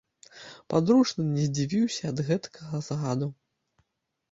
Падручны не здзівіўся ад гэткага загаду.